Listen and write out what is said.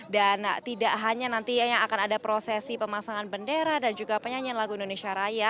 dan tidak hanya nantinya akan ada prosesi pemasangan bendera dan juga penyanyian lagu indonesia raya